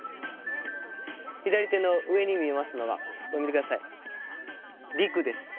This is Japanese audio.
左手の上に見えますのがこれ見てください陸です